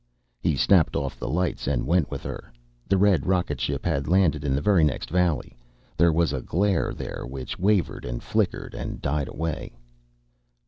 He snapped off the lights and went with her. The red rocket ship had landed in the very next valley. There was a glare there, which wavered and flickered and died away.